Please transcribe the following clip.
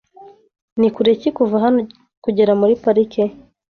Ni kure ki kuva hano kugera muri parike?